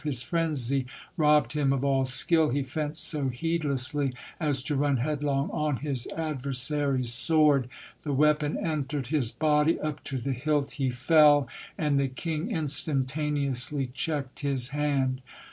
His frenzy robbed him of all skill. He fenced so heedlessly, as to run headlong on his adversary's sword. The weapon entered his body up to the hilt. He fell ; and the king instantaneously checked his hand.